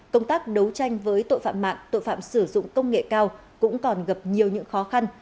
công tác đấu tranh với tội phạm mạng tội phạm sử dụng công nghệ cao cũng còn gặp nhiều những khó khăn